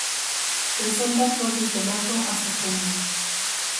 Presenta flor desde mayo hasta junio.